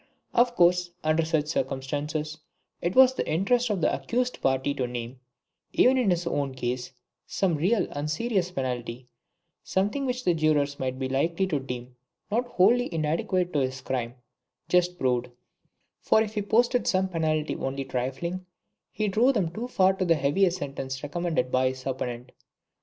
Of course, under such circumstances, it was the interest of the accused party to name, even in his own case, some real and serious penalty, something which the jurors might be likely to deem not wholly inadequate to his crime just proved; for if he proposed some penalty only trifling, he drove them to far the heavier sentence recommended by his opponent."